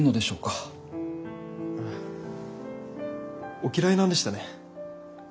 お嫌いなんでしたね。